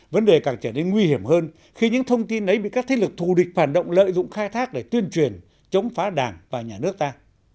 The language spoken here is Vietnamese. vấn đề càng trở nên nguy hiểm hơn khi những thông tin ấy bị các thế lực thù địch phản động lợi dụng khai thác để tuyên truyền chống phá đảng và nhà nước ta